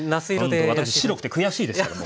ほんと私白くて悔しいですけども。